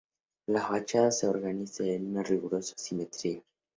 La fachada se organiza en rigurosa simetría.